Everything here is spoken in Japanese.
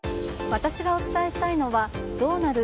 私がお伝えしたいのはどうなる？